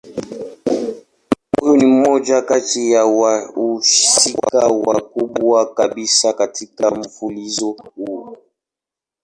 Huyu ni mmoja kati ya wahusika wakubwa kabisa katika mfululizo huu.